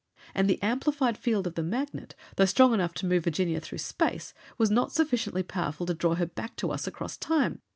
"And the amplified field of the magnet, though strong enough to move Virginia through space, was not sufficiently powerful to draw her back to us across time.